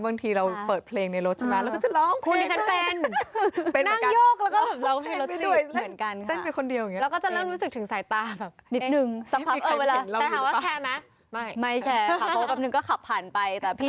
บางทีเราเปิดเพลงในรถใช่ไหมแล้วก็จะร้องคุณ